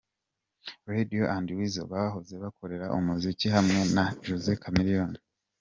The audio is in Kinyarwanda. Radio and Weasel bahoze bakorera umuziki hamwe na Jose Chameleone.